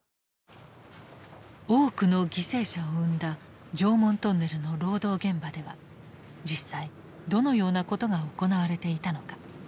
多くの犠牲者を生んだ常紋トンネルの労働現場では実際どのようなことが行われていたのか？